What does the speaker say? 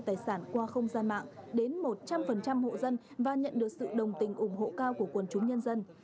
tình ủng hộ cao của quần chúng nhân dân